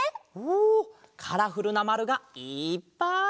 おおカラフルなまるがいっぱい！